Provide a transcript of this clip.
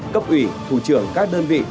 cấp ủy thủ trưởng các đơn vị